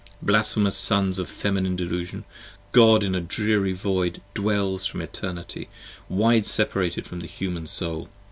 Blasphemous Sons of Feminine delusion! God in the dreary Void 30 Dwells from Eternity, wide separated from the Human Soul.